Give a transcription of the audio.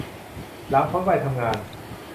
หลังพ้นวัยทำงาน